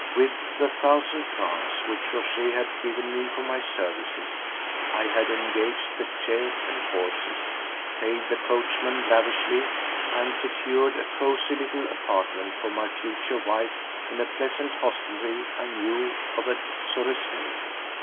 With the thousand francs which Rochez had given me for my services I had engaged the chaise and horses, paid the coachman lavishly, and secured a cosy little apartment for my future wife in a pleasant hostelry I knew of at Suresnes.